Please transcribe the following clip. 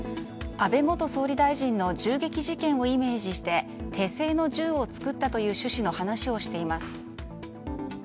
安倍元総理大臣の銃撃事件をイメージして手製の銃を作ったという趣旨の話をしています。